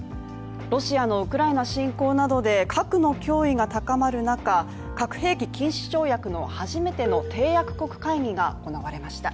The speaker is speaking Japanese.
ロシアのウクライナ侵攻などで核の脅威が高まる中、核兵器禁止条約の初めての締約国会議が行われました。